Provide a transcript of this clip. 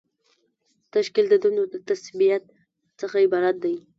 تشکیل د دندو د تثبیت څخه عبارت دی.